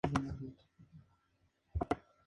Actualmente no se cultiva a gran escala.